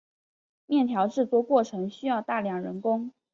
面条制作过程需要大量人工。